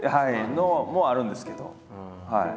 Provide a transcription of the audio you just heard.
のもあるんですけど。